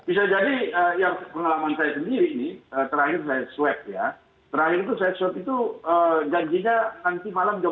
bisa jadi yang pengalaman saya sendiri nih terakhir saya swab ya terakhir itu saya swab itu janjinya nanti malam dua puluh